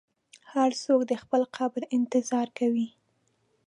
هر څوک د خپل قبر انتظار کوي.